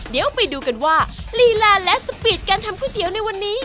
เดี๋ยวไปดูกันว่าลีลาและสปีดการทำก๋วยเตี๋ยวในวันนี้